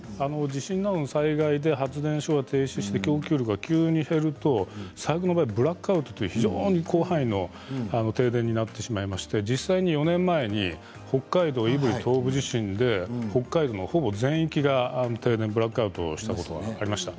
地震などの災害で発電所を停止して供給量が急に減ると最悪の場合ブラックアウトという広範囲の停電になってしまいまして実際に４年前に北海道、胆振東部地震で北海道のほぼ全域が停電ブラックアウトしてしまったことがありました。